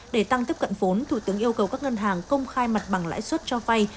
để tăng tiếp cận vốn thủ tướng yêu cầu các ngân hàng công khai mặt bằng lãi suất cho vay